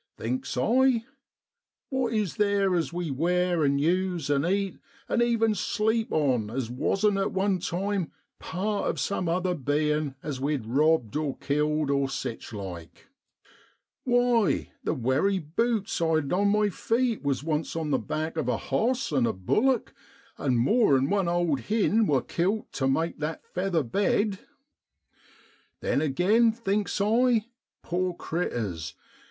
Thinks I, what is theer as we wear and use and eat and even sleep on as wasn't at one time part of some other bein' as we'd robbed or killed or sich like ? Why, the wery butes I'd on my feet was once on the back of a hoss an' a bullock, and more an' one old hen wor kilt tu make that feather bed ! i Then agin, thinks I, poor critters!